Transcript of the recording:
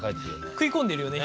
食い込んでるよね